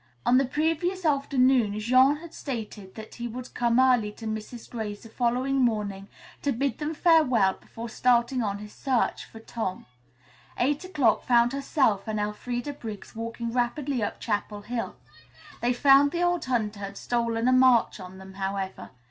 On the previous afternoon Jean had stated that he would come early to Mrs. Gray's the following morning to bid them farewell before starting on his search for Tom. Eight o'clock found herself and Elfreda Briggs walking rapidly up Chapel Hill. They found the old hunter had stolen a march on them, however.